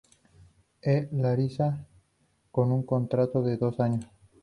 E. Larisa, con un contrato de dos años.